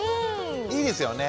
いいですよね。